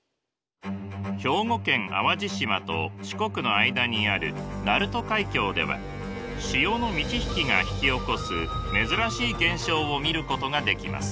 兵庫県淡路島と四国の間にある鳴門海峡では潮の満ち引きが引き起こす珍しい現象を見ることができます。